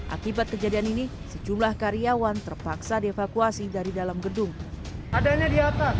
akibat kejadian ini sejumlah karyawan terpaksa dievakuasi dari dalam gedung adanya di atas